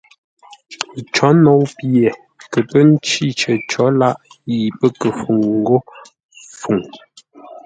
Có nou pye kə pə́ ncí cər cǒ làʼ yi pə́ kə fúŋ ńgó Fuŋ.